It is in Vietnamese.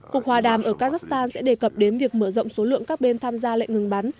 cuộc hòa đàm ở kazakhstan sẽ đề cập đến việc mở rộng số lượng các bên tham gia lệnh ngừng bắn